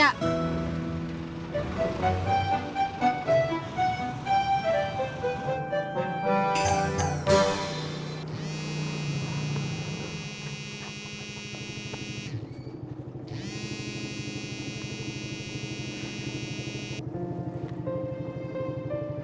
udah aku balik